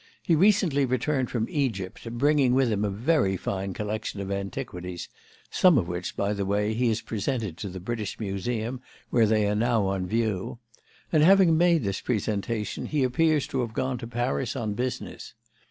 He recently returned from Egypt, bringing with him a very fine collection of antiquities some of which, by the way, he has presented to the British Museum, where they are now on view and having made this presentation, he appears to have gone to Paris on business.